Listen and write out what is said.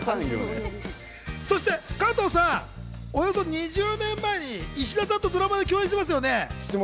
加藤さん、およそ２０年前に石田さんとドラマで共演していますよね？